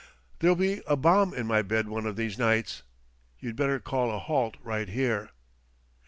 There'll be a bomb in my bed one of these nights. You'd better call a halt right here."